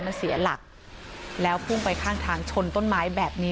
มันเสียหลักแล้วพุ่งไปข้างทางชนต้นไม้แบบนี้